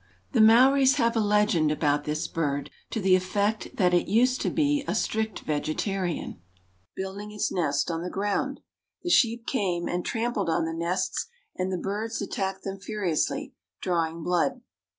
The Maoris have a legend about this bird to the effect that it used to be a strict vegetarian, building its nest on the ground. The sheep came and trampled on the nests, and the birds attacked them furiously, drawing blood.